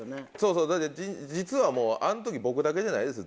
それで実はもうあの時僕だけじゃないです。